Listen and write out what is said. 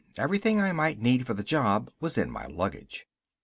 Everything I might need for the job was in my luggage.